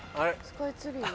スカイツリー？